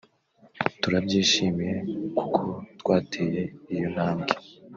turabyishimiye kuko twateye iyo ntambwe